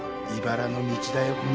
いばらの道だよ